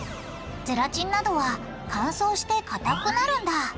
ゼラチンなどは乾燥してかたくなるんだ。